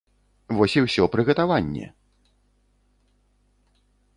Вось і ўсё прыгатаванне!